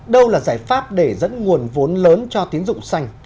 đâu là giải pháp để dẫn nguồn vốn lớn cho tiến dụng xanh